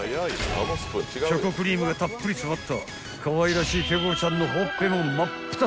［チョコクリームがたっぷり詰まったかわいらしいペコちゃんのほっぺも］